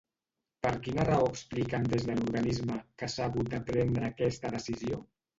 Per quina raó expliquen des de l'organisme que s'ha hagut de prendre aquesta decisió?